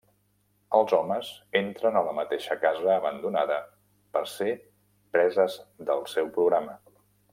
Els homes entren a la mateixa casa abandonada per ser preses del seu programa.